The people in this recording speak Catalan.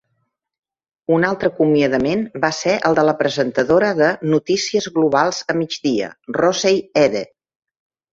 Un altre acomiadament va ser el de la presentadora de "Notícies globals a migdia", Rosey Edeh.